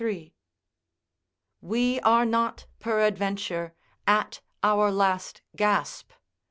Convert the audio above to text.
] we are not, peradventure, at our last gasp.